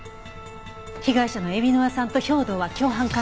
被害者の海老沼さんと兵働は共犯関係だった。